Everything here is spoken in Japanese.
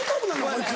こいつ。